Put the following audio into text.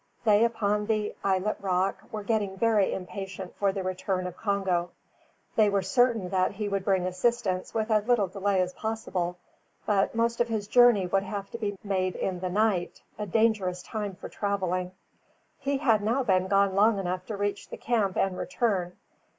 They upon the islet rock were getting very impatient for the return of Congo. They were certain that he would bring assistance with as little delay as possible, but most of his journey would have to be made in the night, a dangerous time for travelling. He had now been gone long enough to reach the camp and return.